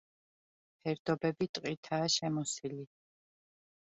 ფერდობები ტყითაა შემოსილი.